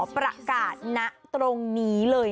ประกาศณตรงนี้เลย